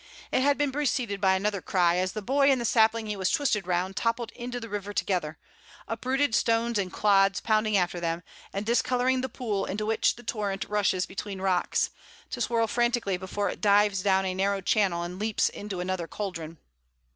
It had been preceded by another cry, as the boy and the sapling he was twisted round toppled into the river together, uprooted stones and clods pounding after them and discolouring the pool into which the torrent rushes between rocks, to swirl frantically before it dives down a narrow channel and leaps into another caldron.